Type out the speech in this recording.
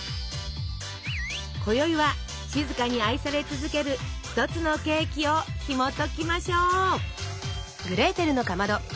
こよいは静かに愛され続ける一つのケーキをひもときましょう。